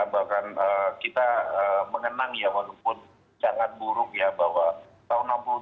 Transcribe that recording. bahkan kita mengenang ya walaupun sangat buruk ya